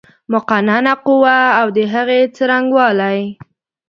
مقننه قوه اود هغې څرنګوالی